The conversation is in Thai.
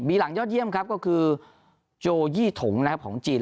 มีหลังยอดเยี่ยมครับก็คือโจยี่ถงนะครับของจีน